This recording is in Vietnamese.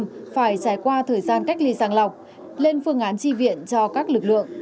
phải trải qua thời gian cách ly sàng lọc lên phương án tri viện cho các lực lượng